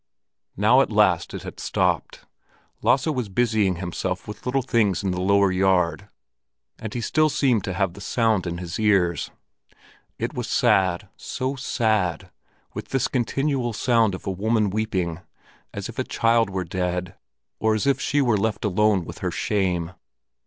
Now at last it had stopped. Lasse was busying himself with little things in the lower yard, and he still seemed to have the sound in his ears. It was sad, so sad, with this continual sound of a woman weeping, as if a child were dead, or as if she were left alone with her shame.